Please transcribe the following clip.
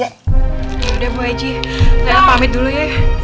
elu pamit dulu ya